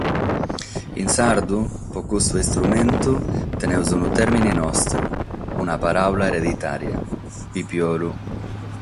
In sardu, pro custu istrumentu, tenimus unu tèrmine nostru, una paràula ereditària: pipiolu.